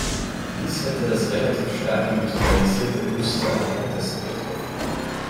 Dies hätte das relativ stark industrialisierte Ulster am Härtesten getroffen.